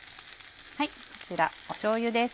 こちらしょうゆです。